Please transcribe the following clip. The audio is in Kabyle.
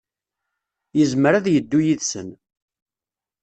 Yezmer ad yeddu yid-sen.